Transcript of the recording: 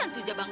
ini tuh nih